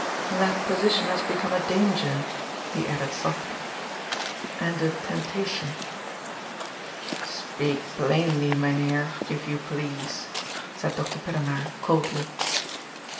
"That position has become a danger," he added softly, " and a temptation." "Speak plainly. Mynheer, if you please," said Dr. Pillenaar coldly.